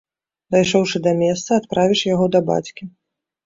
Дайшоўшы да месца, адправіш яго да бацькі.